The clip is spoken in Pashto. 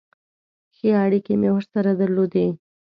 ښې اړیکې مې ورسره درلودې.